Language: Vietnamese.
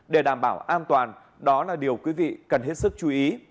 để đảm bảo an toàn đó là điều quý vị cần hết sức chú ý